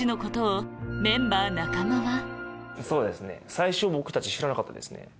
最初僕たち知らなかったですね。